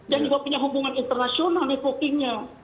dan juga punya hubungan internasional reputinya